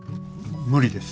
無理です。